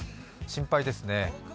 心配ですね。